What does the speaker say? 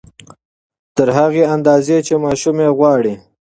تر هغې اندازې چې ماشوم يې غواړي